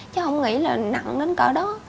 chứ không nghĩ là nặng đến cỡ đó